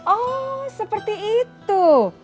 oh seperti itu